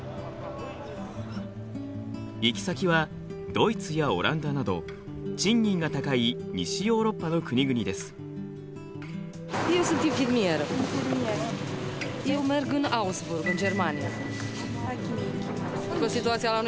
行き先はドイツやオランダなど賃金が高い西ヨーロッパの国々です。